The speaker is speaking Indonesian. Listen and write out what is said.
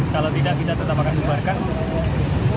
kalau tidak kita tetap akan bubarkan